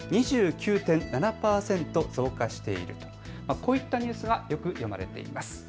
こういったニュースがよく読まれています。